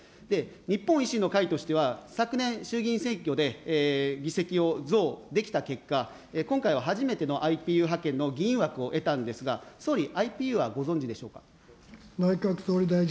日本維新の会としては昨年、衆議院選挙で議席を増できた結果、今回は初めてのＩＰＵ派遣の議員枠を得たんですが、総理、ＩＰＵはご存じでしょうか。